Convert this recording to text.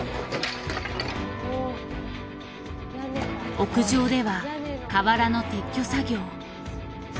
屋上では瓦の撤去作業。